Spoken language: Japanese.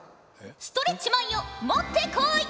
ストレッチマンよ持ってこい。